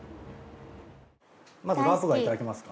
まずラープガイいただきますか。